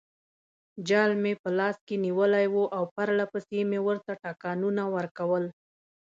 جال مې په لاس کې نیولی وو او پرلپسې مې ورته ټکانونه ورکول.